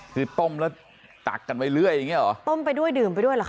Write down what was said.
คือต้มแล้วตักกันไปเรื่อยอย่างเงี้เหรอต้มไปด้วยดื่มไปด้วยเหรอค